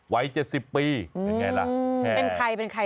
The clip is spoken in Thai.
ไว้๗๐ปีเป็นอย่างไรล่ะแค่เป็นใคร